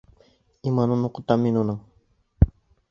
Иманын уҡытам мин уның!